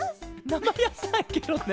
なまやさいケロね！